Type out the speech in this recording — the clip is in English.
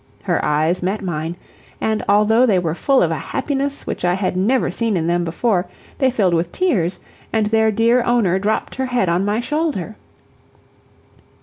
Her eyes met mine, and, although they were full of a happiness which I had never seen in them before, they filled with tears, and their dear owner dropped her head on my shoulder.